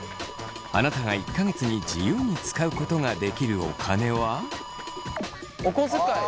あなたが１か月に自由に使うことができるお金は？お小遣い。